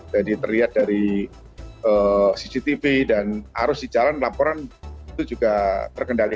jadi terlihat dari cctv dan arus di jalan laporan itu juga terkendali